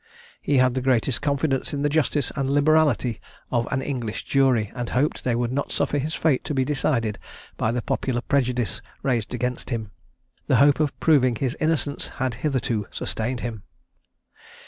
He had the greatest confidence in the justice and liberality of an English jury; and hoped they would not suffer his fate to be decided by the popular prejudice raised against him. The hope of proving his innocence had hitherto sustained him.